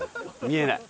見えない。